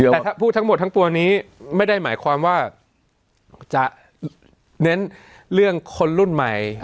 แต่ถ้าพูดทั้งหมดทั้งปวงนี้ไม่ได้หมายความว่าจะเน้นเรื่องคนรุ่นใหม่